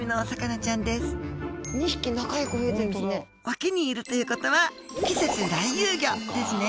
隠岐にいるということは季節来遊魚ですね